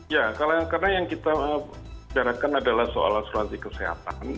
ya karena yang kita bicarakan adalah soal asuransi kesehatan